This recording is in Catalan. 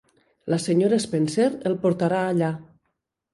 La Sra. Spencer el portarà allà.